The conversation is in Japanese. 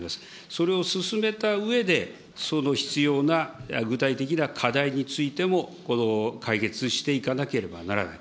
それを進めたうえで、その必要な、具体的な課題についても解決していかなければならない。